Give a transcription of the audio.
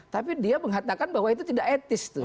tapi dia mengatakan bahwa itu tidak etis tuh